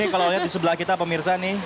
kalau lihat di sebelah kita pemirsa nih